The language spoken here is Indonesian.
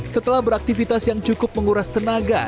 setelah beraktivitas yang cukup menguras tenaga